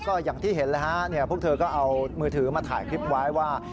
ก็อย่างที่เห็นแล้วฮะพวกเธอก็เอามือถือมาถ่ายคลิปไว้ว่า